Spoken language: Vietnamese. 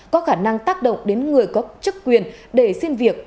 có khả năng tác động đến người có chức quyền để xin việc